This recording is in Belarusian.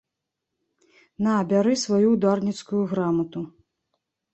На, бяры сваю ўдарніцкую грамату.